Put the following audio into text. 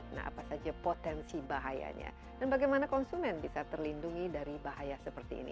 nah apa saja potensi bahayanya dan bagaimana konsumen bisa terlindungi dari bahaya seperti ini